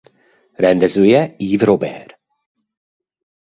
Rendezője Yves Robert.